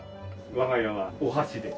我が家はお箸で。